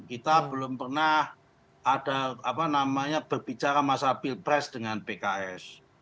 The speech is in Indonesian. kita belum pernah ada apa namanya berbicara masalah pilpres dengan pks